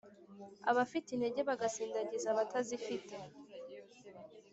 abafite intege bagasindagiza abatazifite